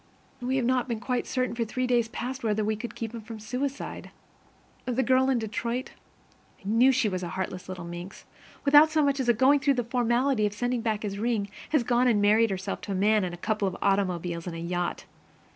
We have not been quite certain for three days past whether we could keep him from suicide. The girl in Detroit, I knew she was a heartless little minx, without so much as going through the formality of sending back his ring, has gone and married herself to a man and a couple of automobiles and a yacht.